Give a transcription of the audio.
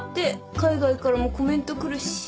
海外からもコメント来るし。